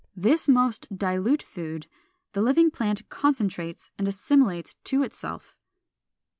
This most dilute food the living plant concentrates and assimilates to itself.